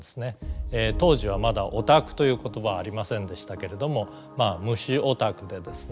当時はまだオタクという言葉はありませんでしたけれども虫オタクでですね